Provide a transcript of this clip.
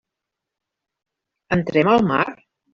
Entrem al mar?